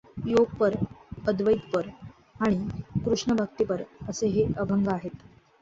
योगपर, अद्वैतपर आणि कृष्णभक्तिपर असे हे अभंग आहेत.